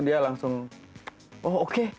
dia langsung oh oke